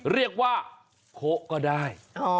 เรียกว่าโค้ก็ได้